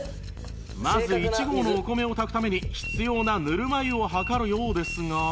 まず１合のお米を炊くために必要なぬるま湯を量るようですが